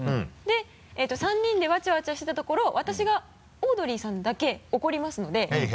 で３人でわちゃわちゃしてたところ私がオードリーさんだけ怒りますので。